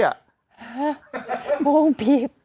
ฮะโค้พรีบ